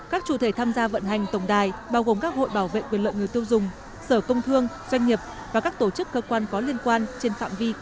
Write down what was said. các chủ thể tham gia vận hành tổng đài bao gồm các hội bảo vệ quyền lợi người tiêu dùng sở công thương doanh nghiệp và các tổ chức cơ quan có liên quan trên phạm vi cả nước